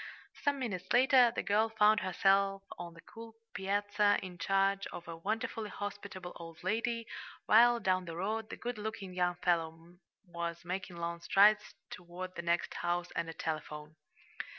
Some minutes later the girl found herself on the cool piazza, in charge of a wonderfully hospitable old lady, while down the road the good looking young fellow was making long strides toward the next house and a telephone.